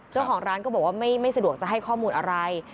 เจ้าของร้านก็บอกว่าไม่สะดวกจะให้ข้อมูลอะไร